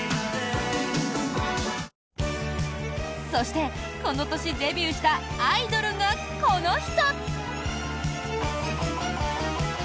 そして、この年デビューしたアイドルがこの人！